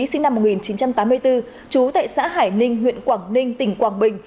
sinh năm một nghìn chín trăm tám mươi bốn chú tại xã hải ninh huyện quảng ninh tỉnh quảng bình